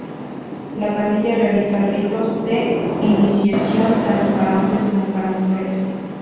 La pandilla realiza ritos de iniciación tanto para hombres como para mujeres.